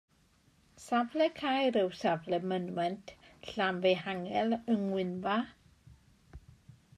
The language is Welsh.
Safle caer yw safle mynwent Llanfihangel yng Ngwynfa.